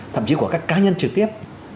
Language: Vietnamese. thậm chí của các cá nhân trực tiếp